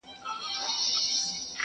o د زنگي لالا واده دئ، غول باسي ننه باسي٫